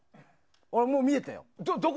俺はもう見えたよ。